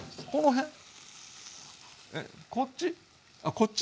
こっち？